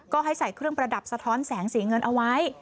ก็ให้ใส่เครื่องประดับสะท้อนแสงสีเงินเอาไว้